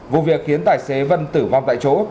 vụ việc khiến tài xế vân tử vong tại chỗ